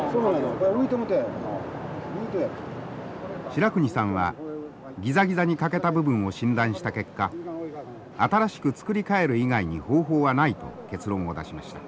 白国さんはギザギザに欠けた部分を診断した結果新しく作り替える以外に方法はないと結論を出しました。